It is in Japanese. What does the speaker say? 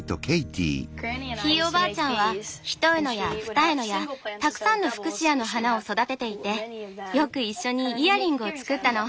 ひいおばあちゃんは一重のや二重のやたくさんのフクシアの花を育てていてよく一緒にイヤリングを作ったの。